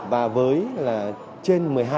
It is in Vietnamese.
và với là trên một mươi hai